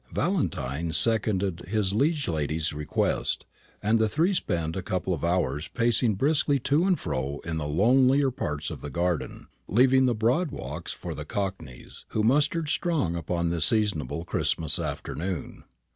Valentine seconded his liege lady's request; and the three spent a couple of hours pacing briskly to and fro in the lonelier parts of the gardens, leaving the broad walks for the cockneys, who mustered strong upon this seasonable Christmas afternoon.